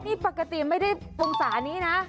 นี่ปกติไม่ได้องศานี้นะ